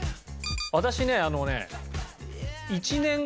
私ねあのね。